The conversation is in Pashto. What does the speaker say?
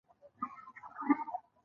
افغانستان کې د جلګه په اړه زده کړه کېږي.